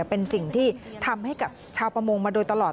เป็นสิ่งที่ทำให้กับชาวประมงมาโดยตลอด